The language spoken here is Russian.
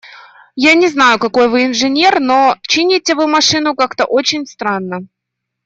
Я не знаю, какой вы инженер, но… чините вы машину как-то очень странно.